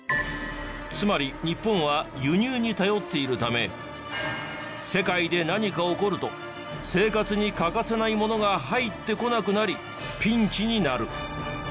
つまり日本は輸入に頼っているため世界で何か起こると生活に欠かせないものが入ってこなくなりピンチになる。